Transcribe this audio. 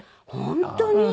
本当に？